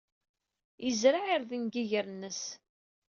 Yezreɛ irden deg yiger-nnes.